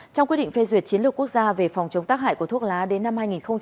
trong quyết định phê duyệt chiến lược quốc gia về phòng chống tác hại của thuốc lá đến năm hai nghìn ba mươi